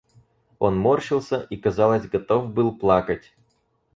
Он морщился и, казалось, готов был плакать.